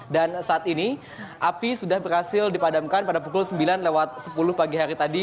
dan saat ini api sudah berhasil dipadamkan pada pukul sembilan lewat sepuluh pagi hari tadi